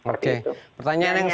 oke pertanyaan yang sama